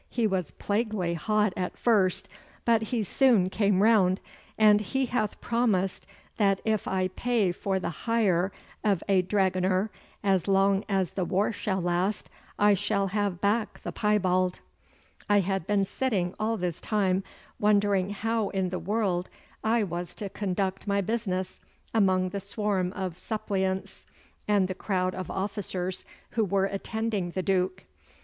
'He was plaguy hot at first, but he soon came round, and he hath promised that if I pay for the hire of a dragooner as long as the war shall last I shall have back the piebald.' I had been sitting all this time wondering how in the world I was to conduct my business amid the swarm of suppliants and the crowd of officers who were attending the Duke.